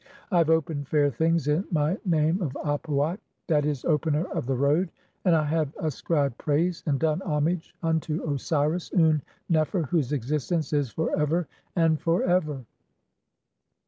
I "have opened fair things in my name of Ap uat (;'. e., Opener "of the road), and I have (26) ascribed praise and done homage "unto Osiris Un nefer, whose existence is for ever and for ever."